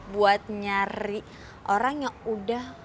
buat nyari orang yang udah